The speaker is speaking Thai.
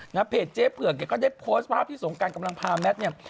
เพจเจ๊เผือกเนี่ยก็ได้โพสต์ภาพที่สงการกำลังพาแมทเนี่ย